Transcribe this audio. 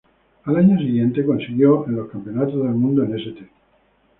El año siguiente consiguió en los Campeonatos del Mundo en St.